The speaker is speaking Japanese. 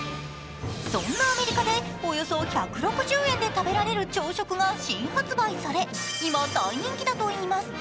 そんなアメリカでおよそ１６０円で食べられる朝食が新発売され今大人気だといいます。